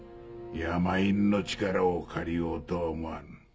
山犬の力を借りようとは思わぬ。